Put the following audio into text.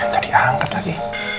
jadi angkat lagi